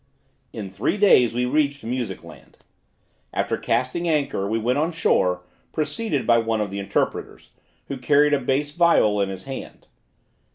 In three days we reached Music land. After casting anchor, we went on shore, preceded by one of the interpreters, who carried a bass viol in his hand.